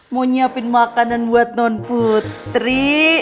mau nyiapin makanan buat non putri